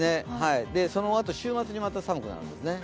そのあと週末にまた寒くなるんですね。